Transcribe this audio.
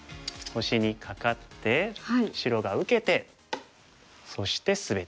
星にカカって白が受けてそしてスベって。